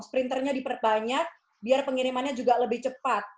sprinternya diperbanyak biar pengirimannya juga lebih cepat